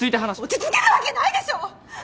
落ち着けるわけないでしょ！